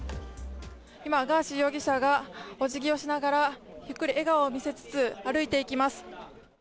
今ガーシー容疑者がお辞儀をしながら、ゆっくり笑顔を見せつつ、歩いていきます。